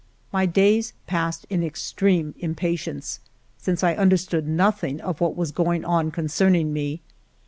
My days passed in extreme impatience, since I understood nothing of what was going on con cerning me.